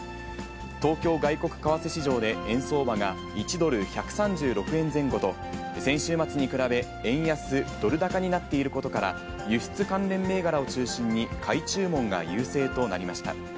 東京外国為替市場で円相場が１ドル１３６円前後と、先週末に比べて円安ドル高になっていることから、輸出関連銘柄を中心に買い注文が優勢となりました。